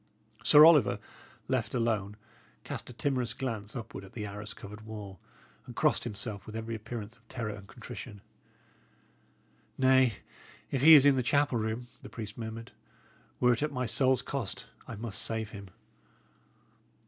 Sir Oliver, left alone, cast a timorous glance upward at the arras covered wall, and crossed himself with every appearance of terror and contrition. "Nay, if he is in the chapel room," the priest murmured, "were it at my soul's cost, I must save him."